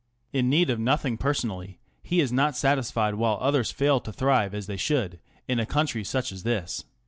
In need of nothing personally, he is not satisfied while others fail to thrive as they should in a country such as this.